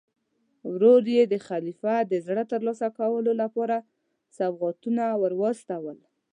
ورور یې د خلیفه د زړه ترلاسه کولو لپاره سوغاتونه ور واستول.